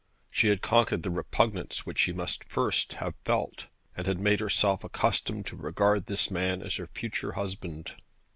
She had conquered the repugnance which she must at first have felt, and had made herself accustomed to regard this man as her future husband.